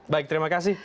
baik terima kasih